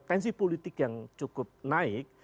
tensi politik yang cukup naik